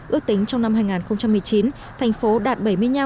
ước tính trong năm hai nghìn một mươi chín thành phố đạt bảy mươi năm